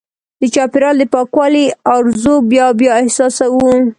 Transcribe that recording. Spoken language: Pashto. د چاپېریال د پاکوالي ارزو بیا بیا احساسوو.